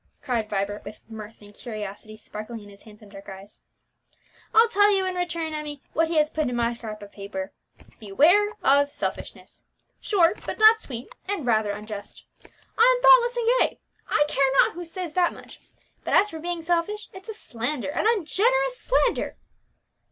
cried Vibert, with mirth and curiosity sparkling in his handsome dark eyes. "I'll tell you in return, Emmie, what he has put in my scrap of paper: Beware of Selfishness. Short but not sweet, and rather unjust. I am thoughtless and gay, I care not who says that much; but as for being selfish, it's a slander, an ungenerous slander!"